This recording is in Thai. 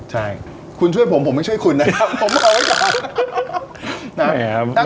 ใช่คุณช่วยผมผมไม่ช่วยคุณนะครับผมขออนุญาต